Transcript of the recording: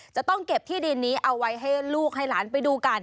จะต้องเก็บที่ดินนี้เอาไว้ให้ลูกให้หลานไปดูกัน